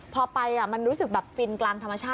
พอไปมันรู้สึกแบบฟินกลางธรรมชาติ